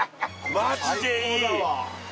マジでいい！